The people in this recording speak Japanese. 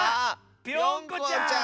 ぴょんこちゃん！